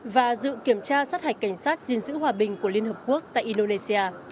và dự kiểm tra sát hạch cảnh sát dinh dữ hòa bình của liên hợp quốc tại indonesia